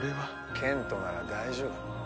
賢人なら大丈夫。